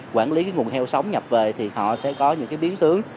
quản lý cái nguồn heo sống nhập về thì họ sẽ có những cái biến tướng